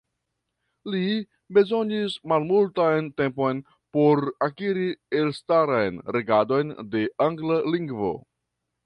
Li bezonis malmultan tempon por akiri elstaran regadon de la angla lingvo.